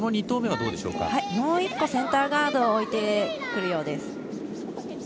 ２投目はもう一つセンターガードを置いてくるようです。